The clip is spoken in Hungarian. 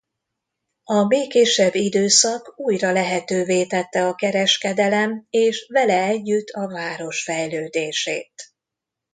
A békésebb időszak újra lehetővé tette a kereskedelem és vele együtt a város fejlődését.